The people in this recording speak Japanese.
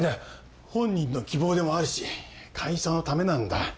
本人の希望でもあるし会社のためなんだ